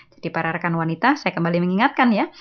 jadi para rekan wanita saya kembali mengingatkan ya